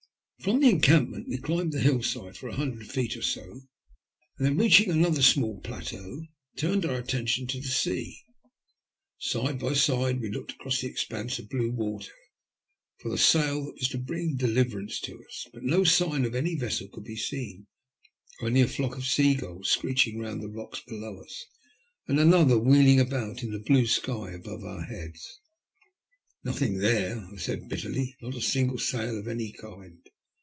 From the encampment we climbed the hill side for a hundred feet or so, and then, reaching another small plateau, turned our attention to the sea. Side by side we looked across the expanse of blue water for the sail that was to bring deliverance to us. But no siga of any vessel could be seen — only a flock of seaguUa screeching round the rocks below us, and another wheeling roundabout in the blue sky above our heads. THE SALVAGES. 168 ''Nothing there/' I eaid bitterly. ''Not a single sail of any kind."